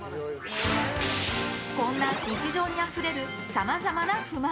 こんな日常にあふれるさまざまな不満。